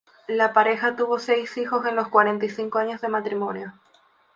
La pareja tuvo seis hijos en los cuarenta y cinco años de matrimonio.